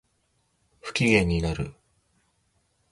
不機嫌になる